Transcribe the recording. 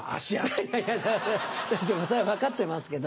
いやそれは分かってますけど。